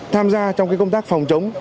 tham gia trong công tác phòng chống